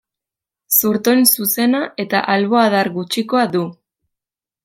Zurtoin zuzena eta albo-adar gutxikoa du.